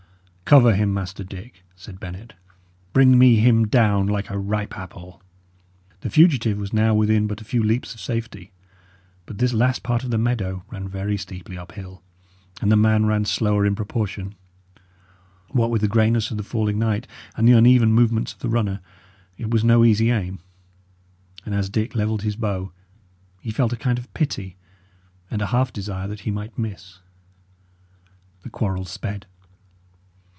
"Cover him, Master Dick," said Bennet. "Bring me him down like a ripe apple." The fugitive was now within but a few leaps of safety; but this last part of the meadow ran very steeply uphill; and the man ran slower in proportion. What with the greyness of the falling night, and the uneven movements of the runner, it was no easy aim; and as Dick levelled his bow, he felt a kind of pity, and a half desire that he might miss. The quarrel sped.